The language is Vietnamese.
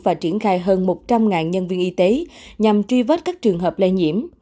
và triển khai hơn một trăm linh nhân viên y tế nhằm truy vết các trường hợp lây nhiễm